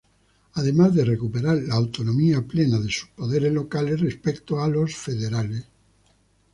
Además de recuperar la autonomía plena de sus poderes locales respecto a los federales.